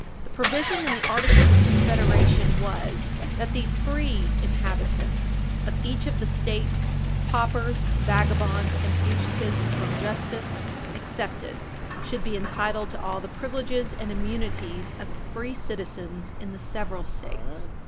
The provision in the Articles of Confederation was "that the free inhabitants of each of the States, paupers, vagabonds, and fugitives from justice, excepted, should be entitled to all the privileges and immunities of free citizens in the several States."